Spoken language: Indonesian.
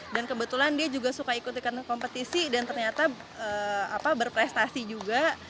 dan kebetulan dia juga suka ikut ikut kompetisi dan ternyata berprestasi juga